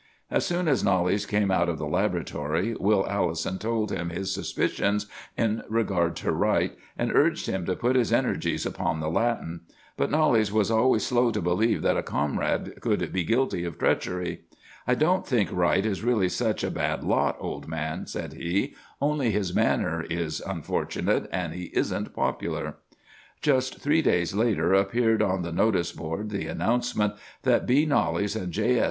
"As soon as Knollys came out of the laboratory, Will Allison told him his suspicions in regard to Wright, and urged him to put his energies upon the Latin. But Knollys was always slow to believe that a comrade could be guilty of treachery. "'I don't think Wright is really such a bad lot, old man,' said he; 'only his manner is unfortunate, and he isn't popular.' "Just three days later appeared on the notice board the announcement that B. Knollys and J. S.